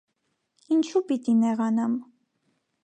- Ինչո՞ւ պիտի նեղանամ: